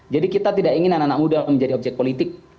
jadi kita tidak ingin anak anak muda menjadi objek politik